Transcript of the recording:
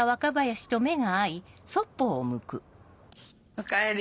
おかえり。